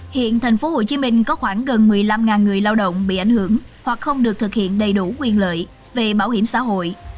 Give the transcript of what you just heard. hiện tp hcm có khoảng gần một mươi năm người lao động bị ảnh hưởng hoặc không được thực hiện đầy đủ quyền lợi về bảo hiểm xã hội